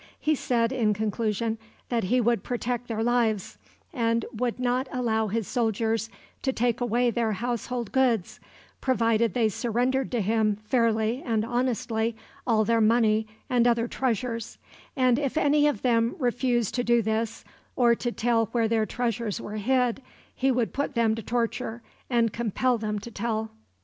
He said, in conclusion, that he would protect their lives, and would not allow his soldiers to take away their household goods, provided they surrendered to him fairly and honestly all their money and other treasures; and if any of them refused to do this, or to tell where their treasures were hid, he would put them to the torture, and compel them to tell.